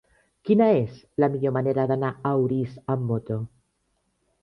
Quina és la millor manera d'anar a Orís amb moto?